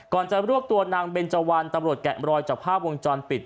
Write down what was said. ก่อนจะรวบตัวนางเบนเจวันตำรวจแกะมรอยจากภาพวงจรปิด